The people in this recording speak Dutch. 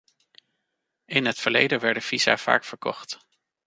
In het verleden werden visa vaak verkocht.